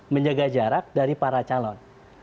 menjaga jarak dari para calon